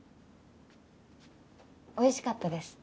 おいしかったです。